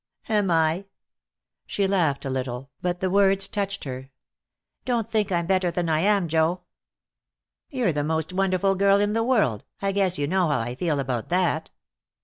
"Am I?" She laughed a little, but the words touched her. "Don't think I'm better than I am, Joe." "You're the most wonderful girl in the world. I guess you know how I feel about that."